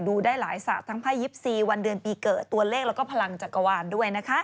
ได้หลายศาสตร์ทั้งไพ่๒๔วันเดือนปีเกิดตัวเลขแล้วก็พลังจักรวาลด้วยนะคะ